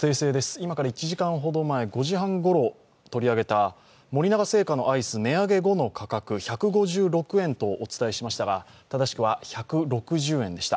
今から１時間ほど前５時半ごろ取り上げた森永製菓のアイス値上げ後の価格、１５６円とお伝えしましたが正しくは１６０円でした。